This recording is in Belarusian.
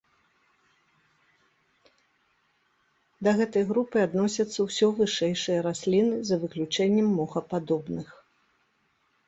Да гэтай групы адносяцца ўсё вышэйшыя расліны за выключэннем мохападобных.